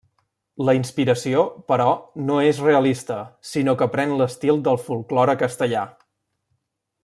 La inspiració, però, no és realista, sinó que pren l'estil del folklore castellà.